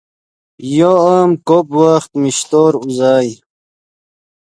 یو ام کوب وخت میشتور اوزائے